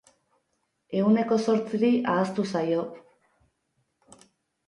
Ehuneko zortziri ahaztu zaio.